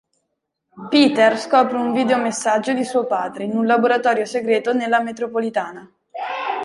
Peter scopre un videomessaggio di suo padre in un laboratorio segreto nella metropolitana.